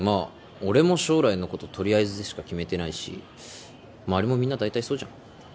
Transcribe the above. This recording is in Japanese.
俺も将来のこととりあえずでしか決めてないし周りもみんな大体そうじゃん？